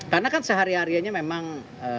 karena kan sehari harianya memang